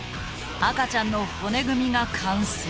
赤ちゃんの骨組みが完成。